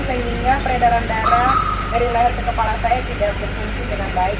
sehingga peredaran darah dari leher ke kepala saya tidak berfungsi dengan baik